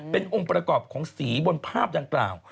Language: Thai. เป็นองค์ประกอบของสีบนภาพดังกล่าว